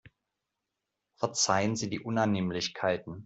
Verzeihen Sie die Unannehmlichkeiten.